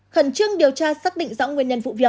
khẩn trương điều tra xác định rõ nguyên nhân vụ việc